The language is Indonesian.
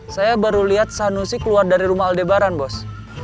saya baru lihat sanusi keluar dari rumah aldebaran bos